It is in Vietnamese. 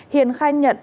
hiền khai nhận